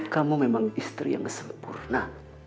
kamu memang istri yang sempurna